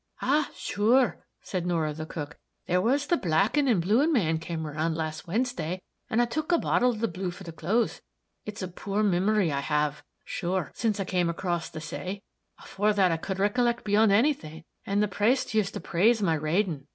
"Ah, sure!" said Norah, the cook, "there was the blackin' and bluin' man come around last Wednesday, and I tuk a bottle of the blue for the clothes. It's a poor mimiry I have, sure, since I came across the say. Afore that I could recollect beyond any thing, and the praste used to praise my rading.